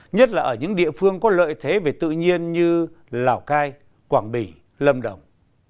nhất là ở những địa phương có lợi thế về tự nhiên như lào cai quảng bình lâm đồng